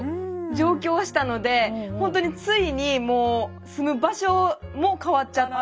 上京したのでほんとについにもう住む場所も変わっちゃった。